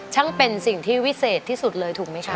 เป็นสิ่งที่วิเศษที่สุดเลยถูกไหมคะ